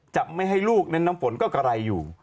จะไม่ให้ลูกเน้นน้ำฝนก็กระไรอยู่